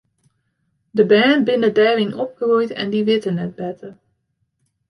De bern binne dêryn opgroeid en dy witte net better.